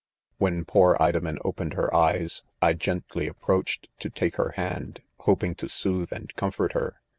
" When poor Idomen opened her eyes, I gently approached to take her hand, hoping to soothe and comfort her.